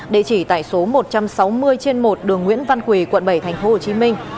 địa chỉ tại số một trăm sáu mươi trên một đường nguyễn văn quỳ quận bảy tp hcm